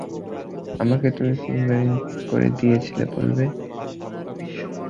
আমাকে তুমি ফিঙ্গারিং করে দিয়েছিলে বলবে?